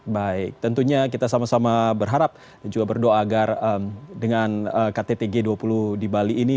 baik tentunya kita sama sama berharap dan juga berdoa agar dengan ktt g dua puluh di bali ini